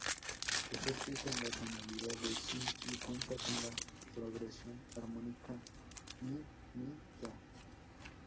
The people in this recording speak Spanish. Está escrita en la tonalidad de "si" y cuenta con la progresión armónica "mi"-"mi"-"do".